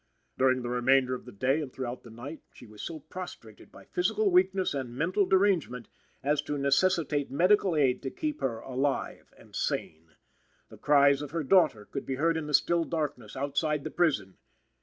During the remainder of the day and throughout the night, she was so prostrated by physical weakness and mental derangement as to necessitate medical aid to keep her alive and sane. The cries of her daughter could be heard in the still darkness outside the prison.